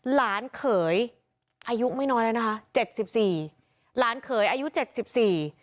หลานเขยอายุไม่น้อยแล้วนะคะเจ็ดสิบสี่หลานเขยอายุเจ็ดสิบสี่